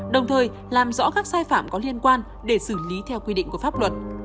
đồng thời làm rõ các sai phạm có liên quan để xử lý theo quy định của pháp luật